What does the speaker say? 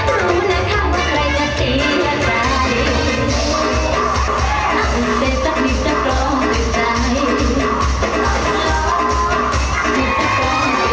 รู้นะคะว่าใครจะเสียใจเอาเสร็จจากนิจกรรมในใจ